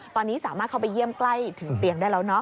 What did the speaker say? ตอนนี้สามารถเข้าไปเยี่ยมใกล้ถึงเตียงได้แล้วเนาะ